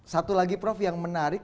satu lagi prof yang menarik